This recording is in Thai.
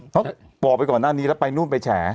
บอกไปก่อนหน้านี้แล้วไปนู่นไปแฉ